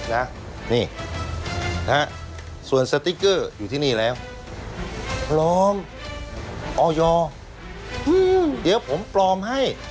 นะนี่นะฮะส่วนสติ๊กเกอร์อยู่ที่นี่แล้วพร้อมออยเดี๋ยวผมปลอมให้